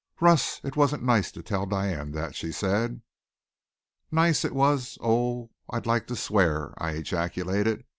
"Russ, it wasn't nice to tell Diane that," she said. "Nice! It was oh, I'd like to swear!" I ejaculated.